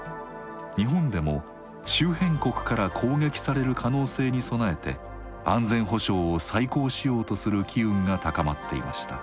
日本でも周辺国から攻撃される可能性に備えて安全保障を再考しようとする機運が高まっていました。